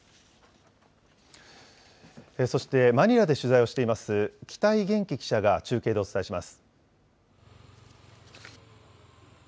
そしてマニラで取材をしています北井元気記者が中継でお伝えします。